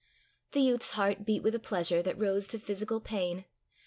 The youth's heart beat with a pleasure that rose to physical pain.